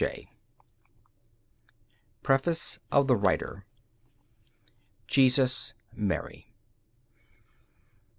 J._ Preface of the Writer Jesus, Mary.